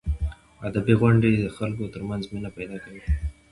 ادبي غونډې د خلکو ترمنځ مینه پیدا کوي.